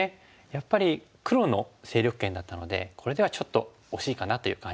やっぱり黒の勢力圏だったのでこれではちょっと惜しいかなという感じなんですね。